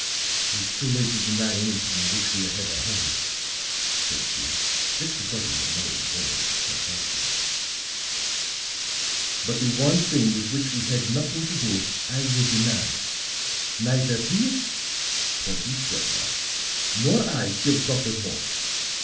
"It's too late to deny anything in which we have had a hand," said she, disregarding the muttered warnings of Karkowsky. "But the one thing with which we had nothing to do I will deny. Neither he," pointing to Drevenoff, "nor I killed Dr. Morse.